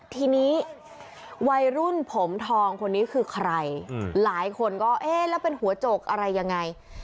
ทีนี้วัยรุ่นผมทองคนนี้คือใครหลายคนก็เอ๊ะแล้วเป็นหัวโจกอะไรยังไง